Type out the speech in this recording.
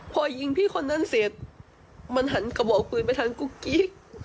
พอยิงพี่คนนั้นเสร็จมันหันกระบอกปืนไปทางกุ๊กกิ๊ก